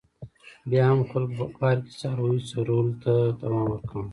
بیا هم خلکو په پارک کې څارویو څرولو ته دوام ورکاوه.